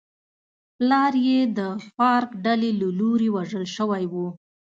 پلار یې د فارک ډلې له لوري وژل شوی و.